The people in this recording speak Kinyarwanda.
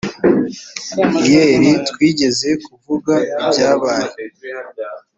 iel twigeze kuvuga ibyabaye